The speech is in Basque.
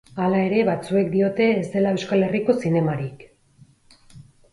Hala ere, batzuek diote ez dela Euskal Herriko zinemarik.